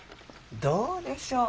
どうでしょう。